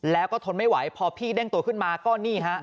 แล้วก็ทนไม่ไหวพอพี่เด้งตัวขึ้นมาก็นี่ฮะ